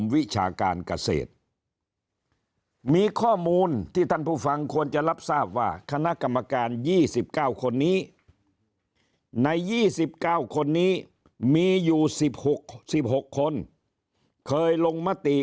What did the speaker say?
ว่าคณะกรรมการ๒๙คนนี้ใน๒๙คนนี้มีอยู่๑๖คนเคยลงมาตี